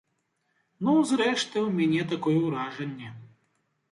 Ну, зрэшты, у мяне такое ўражанне.